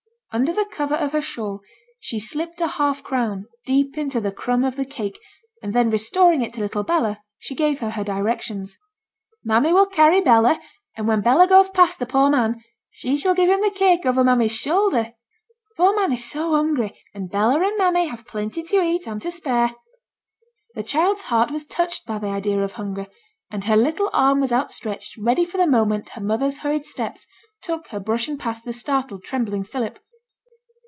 Under the cover of her shawl she slipped a half crown deep into the crumb of the cake, and then restoring it to little Bella, she gave her her directions. 'Mammy will carry Bella; and when Bella goes past the poor man, she shall give him the cake over mammy's shoulder. Poor man is so hungry; and Bella and mammy have plenty to eat, and to spare.' The child's heart was touched by the idea of hunger, and her little arm was outstretched ready for the moment her mother's hurried steps took her brushing past the startled, trembling Philip.